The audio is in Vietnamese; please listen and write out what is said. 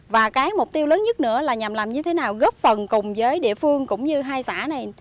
và cái mục tiêu lớn nhất nữa là nhằm làm như thế nào góp phần cùng với địa phương cũng như hai xã này